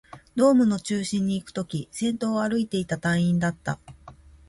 ドームの中心にいくとき、先頭を歩いていた隊員だった